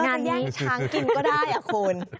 งานนี้ช้างกินก็ได้อ่ะคุณ